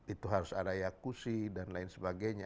itu harus ada yakusi dan lain sebagainya